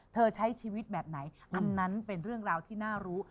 ใช้ชีวิตแบบไหนอันนั้นเป็นเรื่องราวที่น่ารู้